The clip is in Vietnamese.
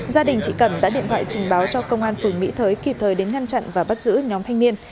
gia đình chị cẩm đã điện thoại trình báo cho công an phường mỹ thới kịp thời đến ngăn chặn và bắt giữ nhóm thanh niên